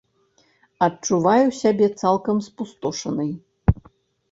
Адчуваю сябе цалкам спустошанай.